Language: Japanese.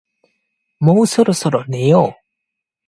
もうそろそろ寝よう